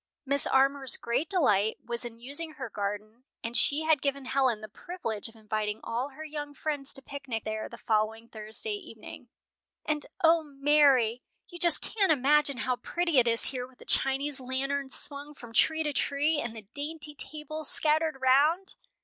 Mrs. Armour's great delight was in using her garden, and she had given Helen the privilege of inviting all her young friends to picnic there the following Thursday evening. "And, O Mary, you just can't imagine how pretty it is here with the Chinese lanterns swung from tree to tree, and the dainty tables scattered round!"